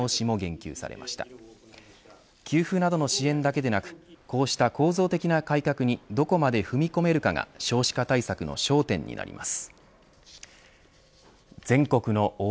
給付などの支援だけでなくこうした構造的な改革にどこまで踏み込めるかが少子化対策の焦点になります。